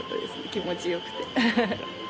気持ちよくて。